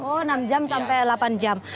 oh enam jam sampai delapan jam